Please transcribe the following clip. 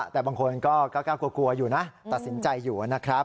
แต่บางคนก็กล้ากลัวอยู่นะตัดสินใจอยู่นะครับ